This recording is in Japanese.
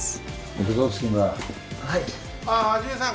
あぁ一さん